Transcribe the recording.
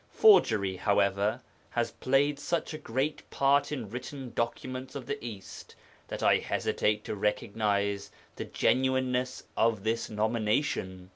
Forgery, however, has played such a great part in written documents of the East that I hesitate to recognize the genuineness of this nomination.